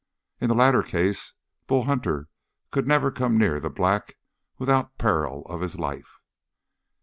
In the latter case Bull Hunter could never come near the black without peril of his life.